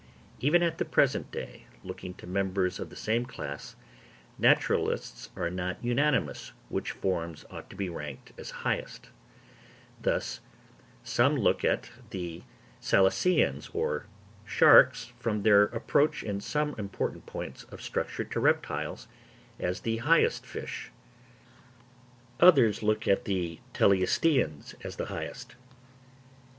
Even at the present day, looking to members of the same class, naturalists are not unanimous which forms ought to be ranked as highest: thus, some look at the selaceans or sharks, from their approach in some important points of structure to reptiles, as the highest fish; others look at the teleosteans as the highest.